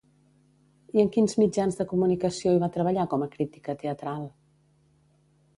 I en quins mitjans de comunicació hi va treballar com a crítica teatral?